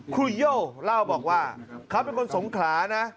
ครูโย่เล่าบอกว่าเขาเป็นคนสงขลานะ